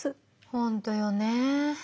本当よね。